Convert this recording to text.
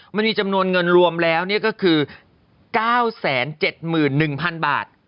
มันมีจำนวนเงินรวมแล้วเนี้ยก็คือเก้าแสนเจ็ดหมื่นหนึ่งพันบาท